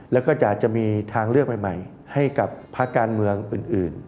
แล้วก็จะมีทางเลือกใหม่ให้กับภาคการเมืองอื่น